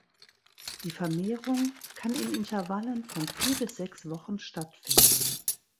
Die Vermehrung kann in Intervallen von vier bis sechs Wochen stattfinden.